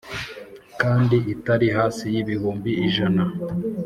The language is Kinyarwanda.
kandi itari hasi y’ibihumbi ijana.